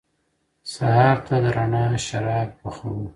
سهار ته د روڼا شراب پخوم